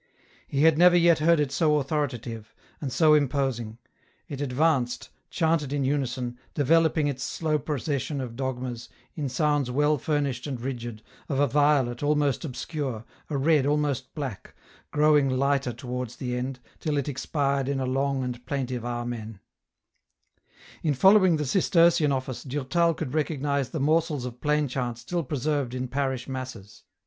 He had never yet heard it so authoritative, and so imposing ; it advanced, chanted m unison, developing its slow procession of dogmas, m sounds well furnished and rigid, of a violet almost obscure, a red almost black, growing lighter towards the end, till it expired in a long and plaintive Amen, In following the Cistercian office Durtal could recognize the morsels of plain chant still preserved in parish masses.